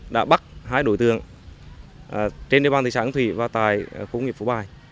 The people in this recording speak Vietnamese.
đã bắt hai đối tượng trên địa bàn thị xã hương thủy và tại khu công nghiệp phố bài